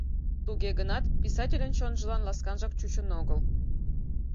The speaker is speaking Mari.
Туге гынат писательын чонжылан ласканжак чучын огыл.